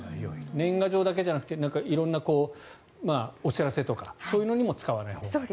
年賀状だけじゃなくて色んなお知らせとかそういうのにも使わないほうがいいと。